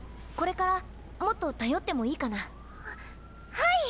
はい！